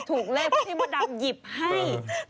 ถูกเลยเพราะที่มดดำหยิบให้